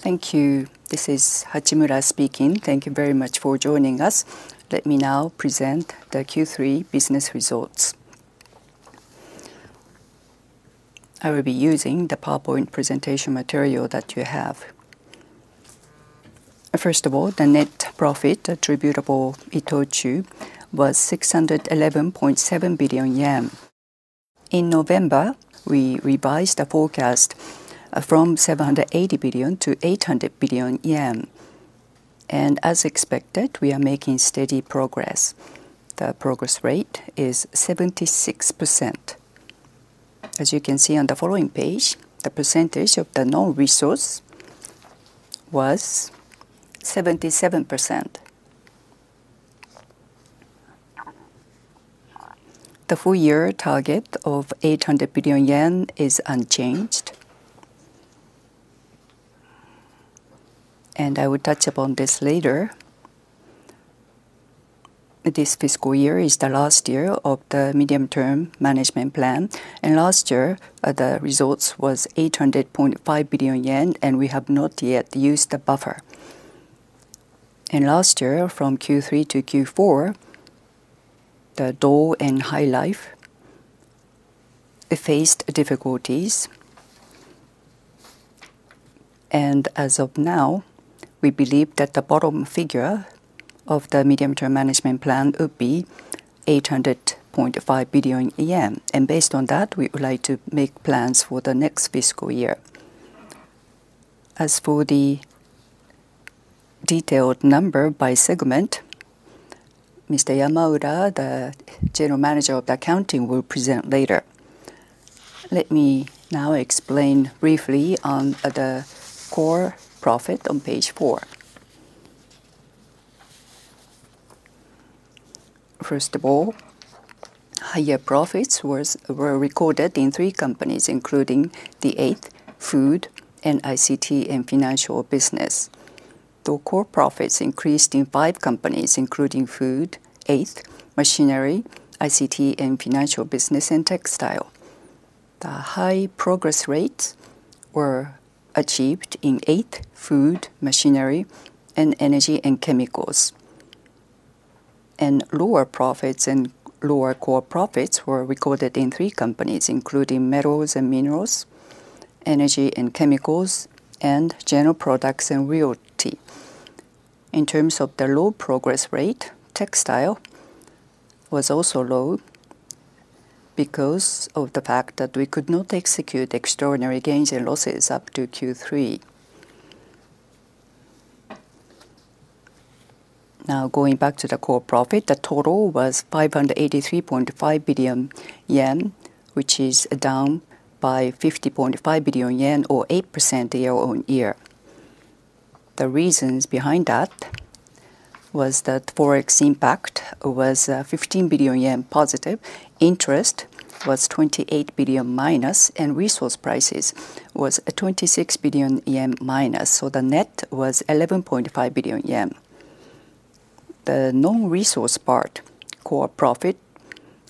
Thank you. This is Hachimura speaking. Thank you very much for joining us. Let me now present the Q3 business results. I will be using the PowerPoint presentation material that you have. First of all, the net profit attributable to ITOCHU was 611.7 billion yen. In November, we revised the forecast from 780 billion to 800 billion yen, and as expected, we are making steady progress. The progress rate is 76%. As you can see on the following page, the percentage of the non-resource was 77%. The full year target of 800 billion yen is unchanged. I will touch upon this later. This fiscal year is the last year of the Medium-Term Management Plan, and last year, the results was 800.5 billion yen, and we have not yet used the buffer. Last year, from Q3 to Q4, Dole and HYLIFE faced difficulties. As of now, we believe that the bottom figure of the medium-term management plan would be 800.5 billion yen. Based on that, we would like to make plans for the next fiscal year. As for the detailed number by segment, Mr. Yamaura, the General Manager of Accounting, will present later. Let me now explain briefly on the core profit on page four. First of all, higher profits were recorded in three companies, including the ICT, food, and ICT and financial business. The core profits increased in five companies, including food, ICT, machinery, ICT, and financial business, and textile. The high progress rates were achieved in ICT, food, machinery, and energy and chemicals. Lower profits and lower core profits were recorded in three companies, including metals and minerals, energy and chemicals, and general products and realty. In terms of the low progress rate, textile was also low because of the fact that we could not execute extraordinary gains and losses up to Q3. Now, going back to the core profit, the total was 583.5 billion yen, which is down by 50.5 billion yen or 8% year-on-year. The reasons behind that was that Forex impact was fifteen billion yen positive, interest was twenty-eight billion minus, and resource prices was a twenty-six billion yen minus, so the net was 11.5 billion yen. The non-resource part, core profit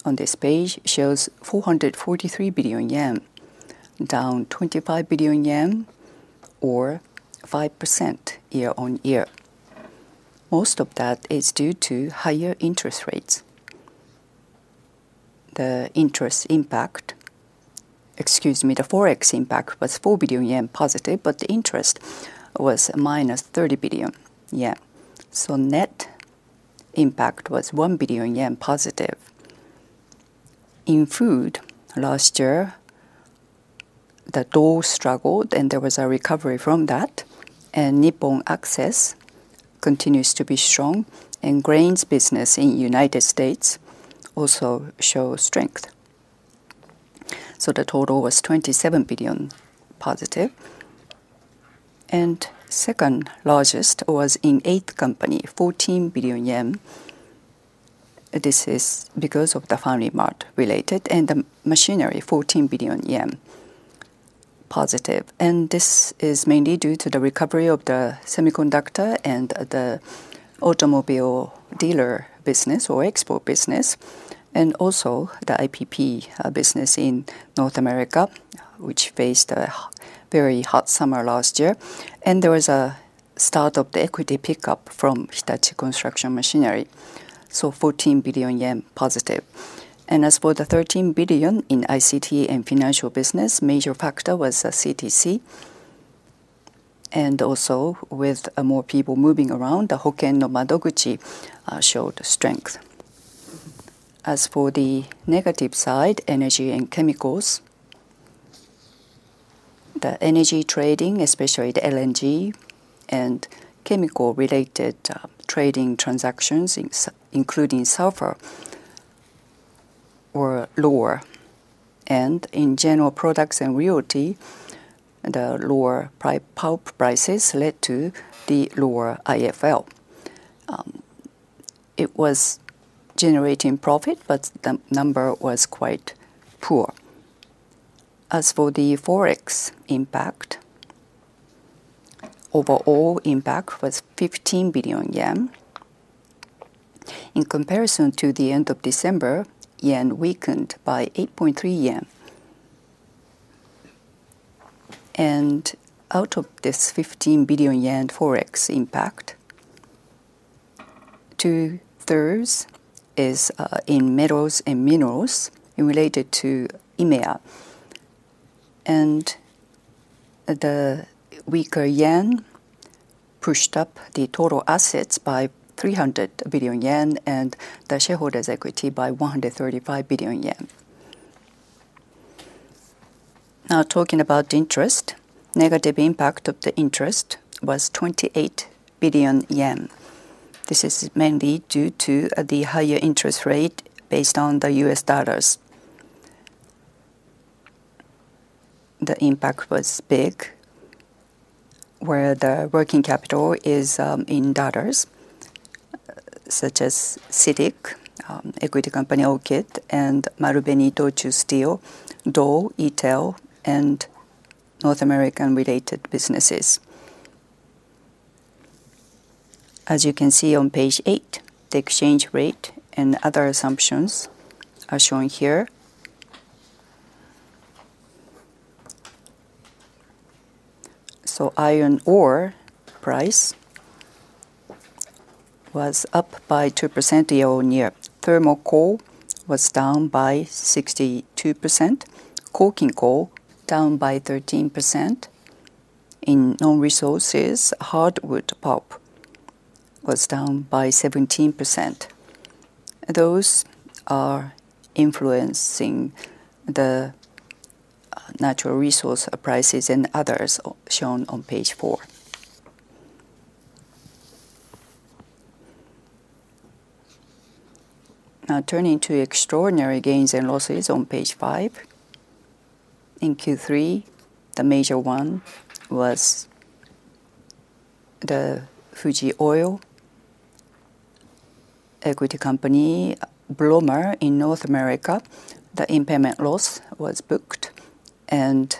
on this page shows 443 billion yen, down 25 billion yen or 5% year-on-year. Most of that is due to higher interest rates. The interest impact... Excuse me, the Forex impact was 4 billion yen positive, but the interest was -30 billion yen, so net impact was 1 billion yen positive. In food, last year, the Dole struggled, and there was a recovery from that, and NIPPON ACCESS continues to be strong, and grains business in United States also show strength. So the total was 27 billion positive. Second largest was in 8th Company, 14 billion yen. This is because of the FamilyMart related and the machinery, 14 billion yen positive. This is mainly due to the recovery of the semiconductor and the automobile dealer business or export business, and also the IPP business in North America, which faced a very hot summer last year. There was a start of the equity pickup from Hitachi Construction Machinery, so 14 billion yen positive. As for the 13 billion in ICT and financial business, major factor was CTC, and also with more people moving around, the HOKEN NO MADOGUCHI showed strength. As for the negative side, energy and chemicals, the energy trading, especially the LNG and chemical-related trading transactions, including sulfur, were lower. And in general products and realty, the lower pulp prices led to the lower IFL. It was generating profit, but the number was quite poor. As for the Forex impact, overall impact was 15 billion yen in comparison to the end of December, yen weakened by 8.3 yen. And out of this 15 billion yen Forex impact, 2/3 is in metals and minerals related to EMEA. The weaker yen pushed up the total assets by 300 billion yen, and the shareholders' equity by 135 billion yen. Now, talking about interest, negative impact of the interest was 28 billion yen. This is mainly due to the higher interest rate based on the U.S. dollars. The impact was big, where the working capital is in dollars, such as CITIC, equity company Orchid, and Marubeni-Itochu Steel, Dole, ETEL, and North American-related businesses. As you can see on page eight, the exchange rate and other assumptions are shown here. Iron ore price was up by 2% year-on-year. Thermal coal was down by 62%. Coking coal, down by 13%. In non-resources, hardwood pulp was down by 17%. Those are influencing the natural resource prices and others shown on page four. Now, turning to extraordinary gains and losses on page five. In Q3, the major one was the Fuji Oil equity company, Blommer, in North America. The impairment loss was booked, and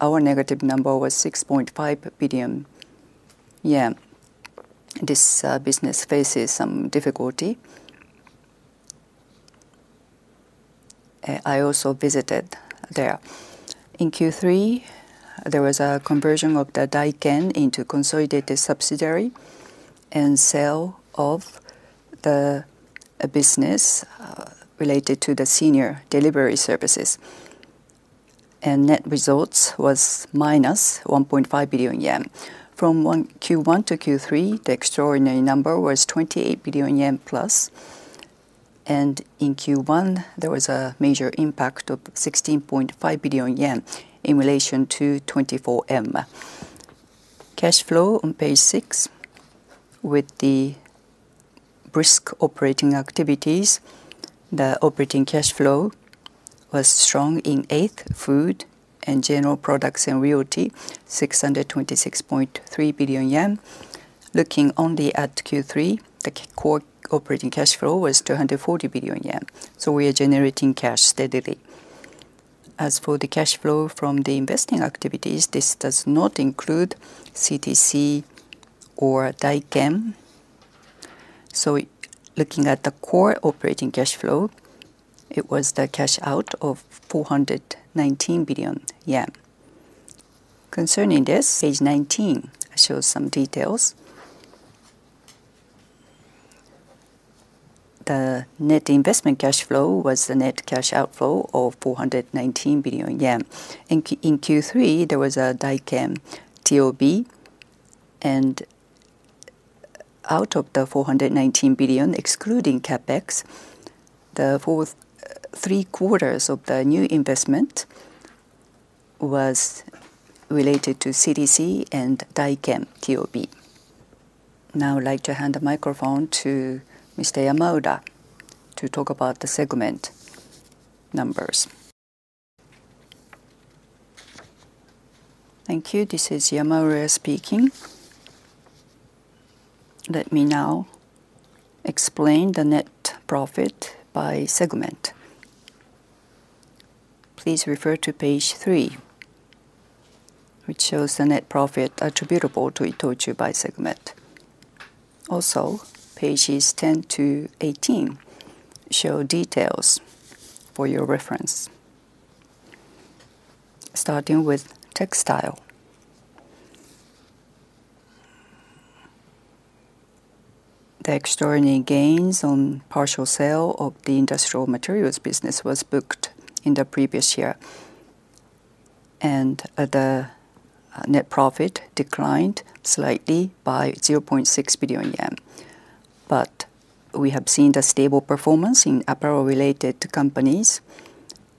our negative number was 6.5 billion yen. This business faces some difficulty. I also visited there. In Q3, there was a conversion of the Daiken into consolidated subsidiary and sale of the business related to the senior delivery services, and net results was minus 1.5 billion yen. From Q1 to Q3, the extraordinary number was +28 billion yen, and in Q1, there was a major impact of 16.5 billion yen in relation to 24M. Cash flow on page six. With the brisk operating activities, the operating cash flow was strong in ICT, food, and general products and realty, 626.3 billion yen. Looking only at Q3, the core operating cash flow was 240 billion yen, so we are generating cash steadily. As for the cash flow from the investing activities, this does not include CTC or Daiken. Looking at the core operating cash flow, it was the cash out of 419 billion yen. Concerning this, page 19 shows some details. The net investment cash flow was the net cash outflow of 419 billion yen. In Q3, there was a Daiken TOB, and out of the 419 billion, excluding CapEx, the fourth three-quarters of the new investment was related to CTC and Daiken TOB. Now, I'd like to hand the microphone to Mr. Yamaura to talk about the segment numbers. Thank you. This is Yamaura speaking. Let me now explain the net profit by segment. Please refer to page three which shows the net profit attributable to ITOCHU by segment. Also, pages 10 to 18 show details for your reference. Starting with textile. The extraordinary gains on partial sale of the industrial materials business was booked in the previous year, and, the, net profit declined slightly by 0.6 billion yen. But we have seen the stable performance in apparel-related companies,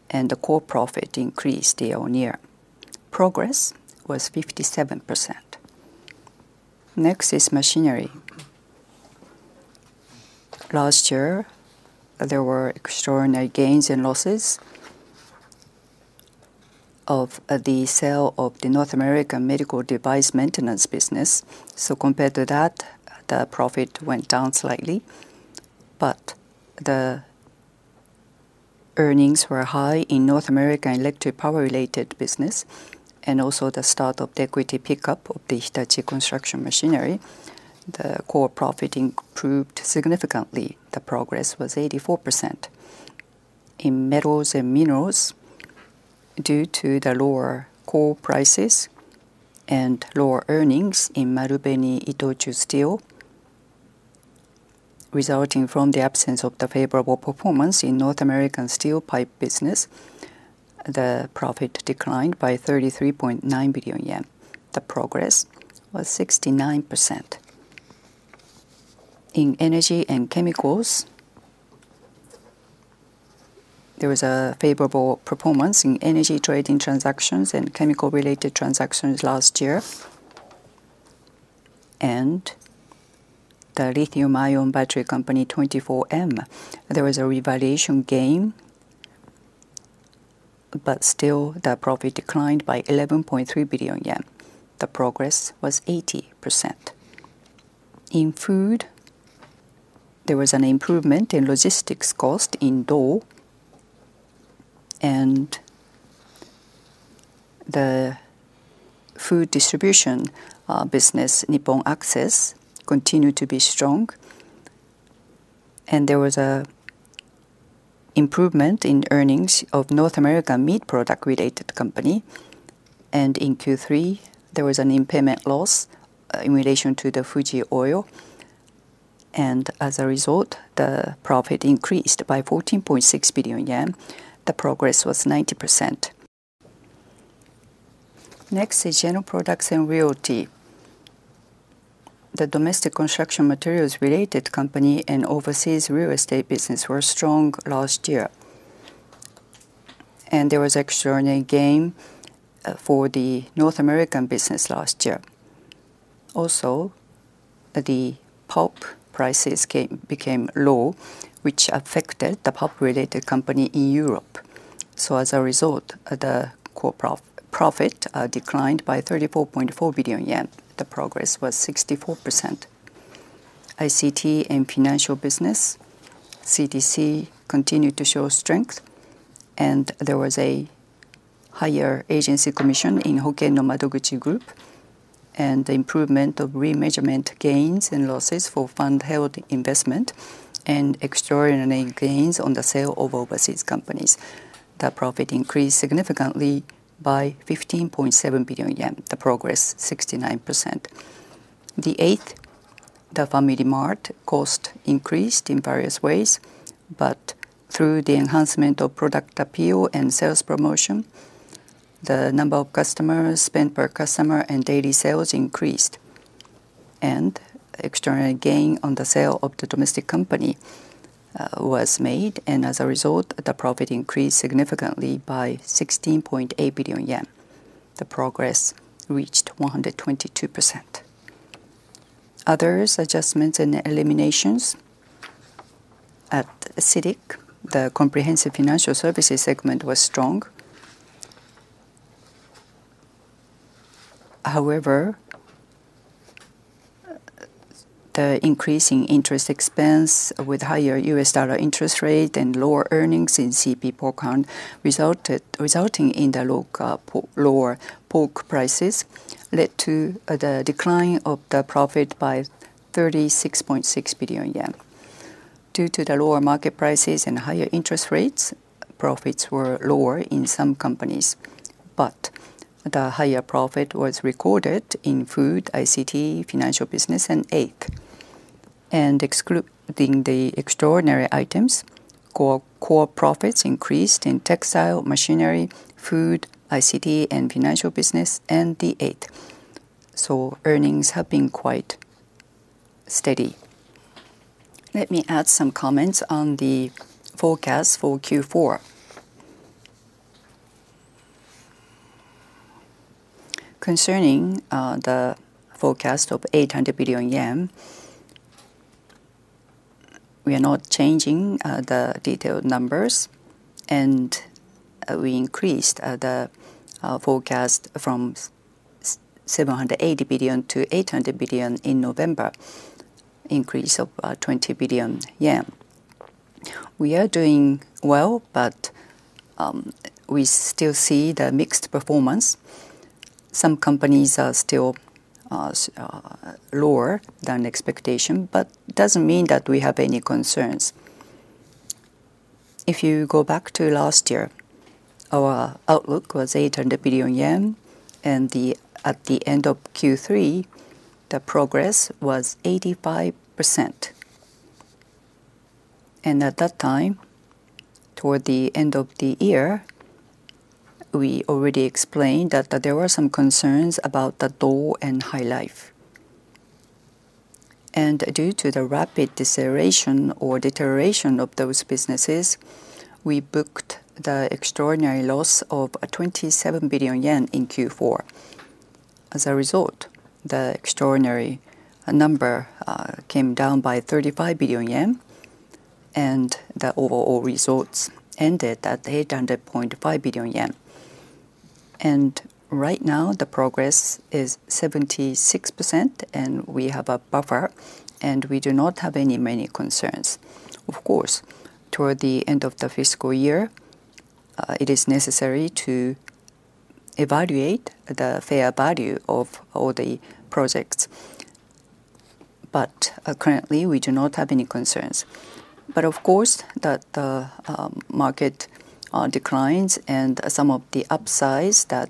and the core profit increased year-on-year. Progress was 57%. Next is machinery. Last year, there were extraordinary gains and losses of, the sale of the North American medical device maintenance business. So compared to that, the profit went down slightly, but earnings were high in North American electric power-related business, and also the start of the equity pickup of the Hitachi Construction Machinery. The core profit improved significantly. The progress was 84%. In metals and minerals, due to the lower core prices and lower earnings in Marubeni-Itochu Steel, resulting from the absence of the favorable performance in North American steel pipe business, the profit declined by 33.9 billion yen. The progress was 69%. In energy and chemicals, there was a favorable performance in energy trading transactions and chemical-related transactions last year. And the lithium-ion battery company, 24M, there was a revaluation gain, but still the profit declined by 11.3 billion yen. The progress was 80%. In food, there was an improvement in logistics cost in Dole, and the food distribution business, NIPPON ACCESS, continued to be strong, and there was an improvement in earnings of North American meat product-related company. In Q3, there was an impairment loss in relation to the Fuji Oil, and as a result, the profit increased by 14.6 billion yen. The progress was 90%. Next is general products and realty. The domestic construction materials-related company and overseas real estate business were strong last year, and there was extraordinary gain for the North American business last year. Also, the pulp prices became low, which affected the pulp-related company in Europe. As a result, the core profit declined by 34.4 billion yen. The progress was 64%. ICT and financial business, CTC continued to show strength, and there was a higher agency commission in HOKEN NO MADOGUCHI group, and the improvement of remeasurement gains and losses for fund-held investment and extraordinary gains on the sale of overseas companies. The profit increased significantly by 15.7 billion yen, the progress 69%. The 8th, the FamilyMart cost increased in various ways, but through the enhancement of product appeal and sales promotion, the number of customers, spend per customer, and daily sales increased. Extraordinary gain on the sale of the domestic company was made, and as a result, the profit increased significantly by 16.8 billion yen. The progress reached 122%. Others, adjustments and eliminations. At CITIC, the comprehensive financial services segment was strong. However, the increasing interest expense with higher U.S. dollar interest rate and lower earnings in CP Pokphand resulting in lower pork prices led to the decline of the profit by 36.6 billion yen. Due to the lower market prices and higher interest rates, profits were lower in some companies, but the higher profit was recorded in food, ICT, financial business, and 8th. Excluding the extraordinary items, core profits increased in textile, machinery, food, ICT, and financial business, and the 8th. So earnings have been quite steady. Let me add some comments on the forecast for Q4. Concerning the forecast of 800 billion yen, we are not changing the detailed numbers, and we increased the forecast from 780 billion to 800 billion in November, increase of 20 billion yen. We are doing well, but we still see the mixed performance. Some companies are still lower than expectation, but doesn't mean that we have any concerns. If you go back to last year, our outlook was 800 billion yen, and at the end of Q3, the progress was 85%. At that time, toward the end of the year, we already explained that there were some concerns about the Dole and HYLIFE. Due to the rapid deceleration or deterioration of those businesses, we booked the extraordinary loss of 27 billion yen in Q4. As a result, the extraordinary number came down by 35 billion yen, and the overall results ended at 800.5 billion yen. Right now, the progress is 76%, and we have a buffer, and we do not have any many concerns. Of course, toward the end of the fiscal year, it is necessary to evaluate the fair value of all the projects, but currently, we do not have any concerns. But, of course, that market declines and some of the upsides that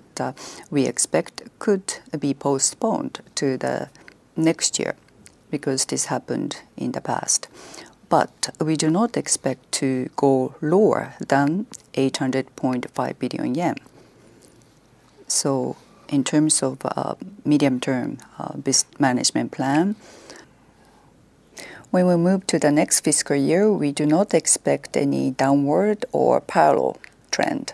we expect could be postponed to the next year, because this happened in the past. But we do not expect to go lower than 800.5 billion yen. So in terms of medium-term management plan, when we move to the next fiscal year, we do not expect any downward or parallel trend.